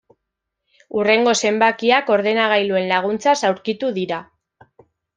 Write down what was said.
Hurrengo zenbakiak ordenagailuen laguntzaz aurkitu dira.